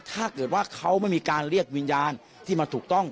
ถ้าเกิดว่าเขาไม่มีการเรียกวิญญาณที่มันถูกต้อง